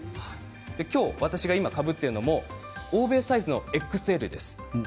今日、私が今かぶっているのも欧米サイズのＸＬです。